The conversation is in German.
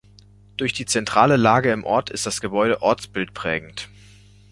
Durch die zentrale Lage im Ort ist das Gebäude ortsbildprägend.